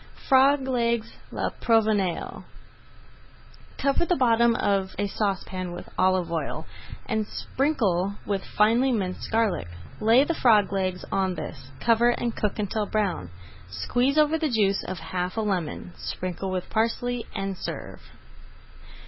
FROG LEGS À LA PROVENÇALE Cover the bottom of a saucepan with olive oil, and sprinkle with finely minced garlic. Lay the frog legs on this, cover and cook until brown. Squeeze over the juice of half a lemon, sprinkle with parsley, and serve.